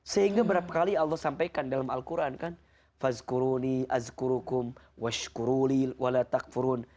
sehingga berapa kali allah sampaikan dalam al quran kanfurun